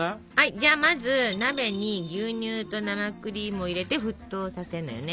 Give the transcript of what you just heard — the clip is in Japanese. じゃまず鍋に牛乳と生クリームを入れて沸騰させるのよね。